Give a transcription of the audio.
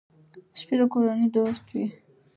سپي د کورنۍ دوست وي.